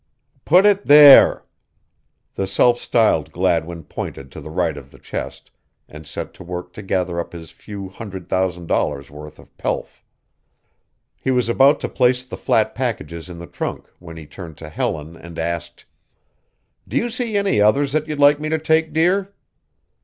"Put it there." The self styled Gladwin pointed to the right of the chest and set to work to gather up his few hundred thousand dollars' worth of pelf. He was about to place the flat packages in the trunk when he turned to Helen and asked: "Do you see any others that you'd like me to take, dear?"